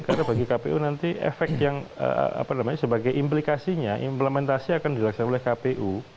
karena bagi kpu nanti efek yang apa namanya sebagai implikasinya implementasi akan dilaksanakan oleh kpu